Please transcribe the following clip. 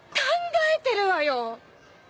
考えてるわよ！